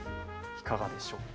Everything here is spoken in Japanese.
いかがでしょうか。